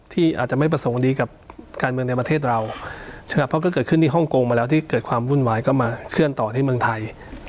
ที่อาจจะไม่ประสงค์ดีกับการเมืองในประเทศเรานะครับเพราะก็เกิดขึ้นที่ฮ่องกงมาแล้วที่เกิดความวุ่นวายก็มาเคลื่อนต่อที่เมืองไทย